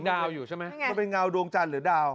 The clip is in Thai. เงาอยู่ใช่ไหมมันเป็นเงาดวงจันทร์หรือดาว